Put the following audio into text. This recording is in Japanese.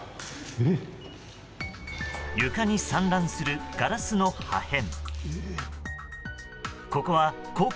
床に散乱するガラスの破片。